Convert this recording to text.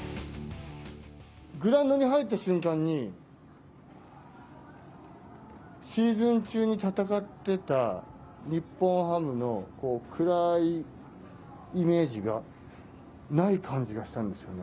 グラウンドに入った瞬間に、シーズン中に戦ってた日本ハムの暗いイメージがない感じがしたんですよね。